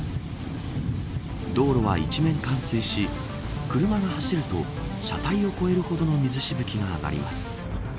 道路は一面冠水し車が走ると車体を超えるほどの水しぶきが上がります。